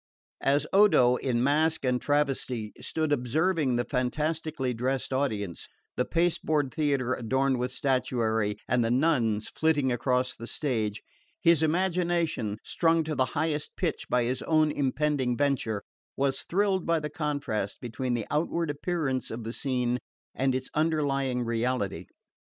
As Odo, in mask and travesty, stood observing the fantastically dressed audience, the pasteboard theatre adorned with statuary, and the nuns flitting across the stage, his imagination, strung to the highest pitch by his own impending venture, was thrilled by the contrast between the outward appearance of the scene and its underlying reality.